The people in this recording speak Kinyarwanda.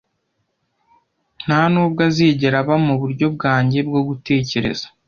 Ntanubwo azigera aba muburyo bwanjye bwo gutekereza.